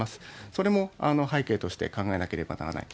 それも背景として考えなければならない。